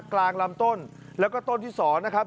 กลางลำต้นแล้วก็ต้นที่๒นะครับ